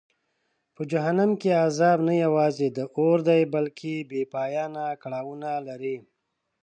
په جهنم کې عذاب نه یوازې د اور دی بلکه بېپایانه کړاوونه لري.